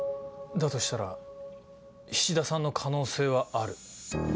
だとしたら菱田さんの可能性はある。